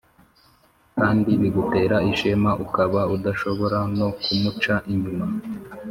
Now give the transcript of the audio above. kandi bigutera ishema, ukaba udashobora no kumuca inyuma.